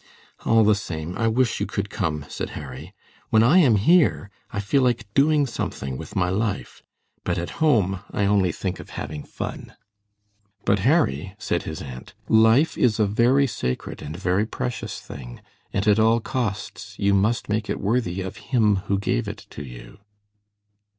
"All the same, I wish you could come," said Harry. "When I am here I feel like doing something with my life, but at home I only think of having fun." "But, Harry," said his aunt, "life is a very sacred and very precious thing, and at all costs, you must make it worthy of Him who gave it to you."